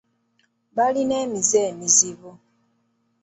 Balina emize emizibu